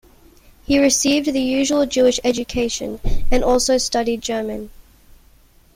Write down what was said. He received the usual Jewish education, and also studied German.